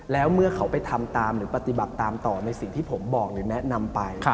แล้วเมื่อเขาไปทำตามหรือปฏิบัติตามต่อในสิ่งที่ผมบอกหรือแนะนำไป